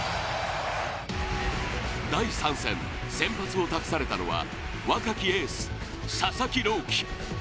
第３戦、先発を託されたのは若きエース・佐々木朗希。